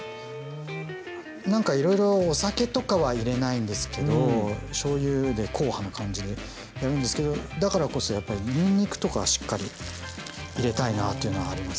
なんかいろいろお酒とかは入れないんですけどしょうゆで硬派な感じでやるんですけどだからこそやっぱりにんにくとかはしっかり入れたいなっていうのはあります。